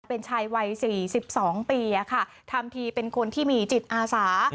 เป็นชายวัย๔๒ปีทำทีเป็นคนที่มีจิตอาสา